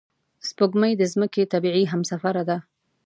سپوږمۍ د ځمکې طبیعي همسفره ده